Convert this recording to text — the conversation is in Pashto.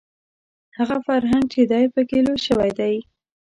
هغه فرهنګ چې دی په کې لوی شوی دی